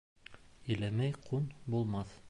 Иләмәй күн булмаҫ